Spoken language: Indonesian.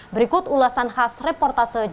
berikut ulasan khas reportase jawa